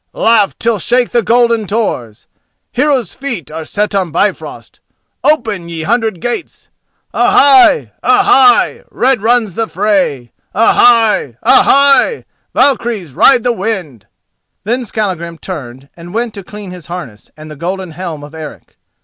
"Laugh till shake the golden doors; Heroes' feet are set on Bifrost, Open, ye hundred gates! A! hai! A! hai! red runs the fray! A! hai! A! hai! Valkyries ride the wind!" Then Skallagrim turned and went to clean his harness and the golden helm of Eric.